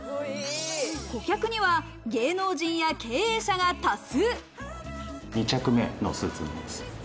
顧客には芸能人や経営者が多数。